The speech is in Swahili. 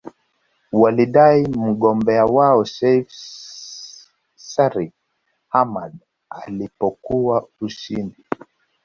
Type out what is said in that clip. Walidai mgombea wao Seif Shariff Hamad alipokwa ushindi